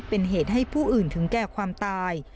เป็นเหตุให้ผู้อื่นถึงแก่ความตาย